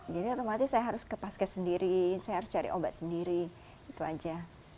jadi otomatis saya harus ke paske sendiri saya harus cari obat sendiri itu aja